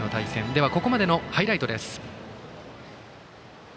では、ここまでのハイライトです。